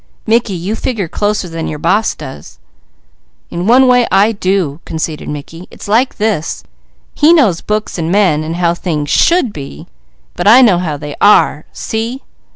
"Mickey, you figure closer than your boss does." "In one way I do," conceded Mickey. "It's like this: he knows books, and men, and how things should be; but I know how they are. See?"